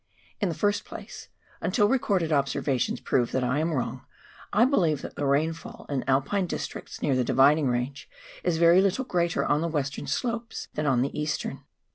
In the first place — until recorded observations prove that I am wrong — I believe that the rainfall in Alpine districts near the Dividing Eange is very little greater on the western slopes than on the eastern.